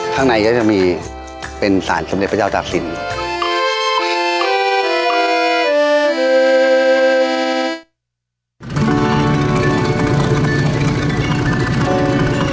ข้างในนี้ถึงจะมีสารสมเด็จพระเจ้าตากศิลป์